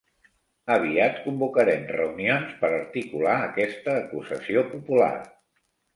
Aviat convocarem reunions per articular aquesta acusació popular.